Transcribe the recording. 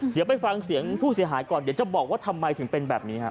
เดี๋ยวไปฟังเสียงผู้เสียหายก่อนเดี๋ยวจะบอกว่าทำไมถึงเป็นแบบนี้ฮะ